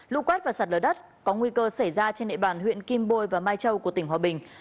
lũ quét và sạt lở đất có nguy cơ xảy ra trên nệ bàn huyện kim bôi và mai châu của tỉnh hòa bình